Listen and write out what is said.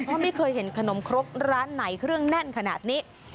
เพราะไม่เคยเห็นขนมครกร้านไหนเครื่องแน่นขนาดนี้